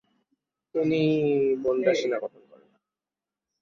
তিনি বনরা সেনা গঠন করেন।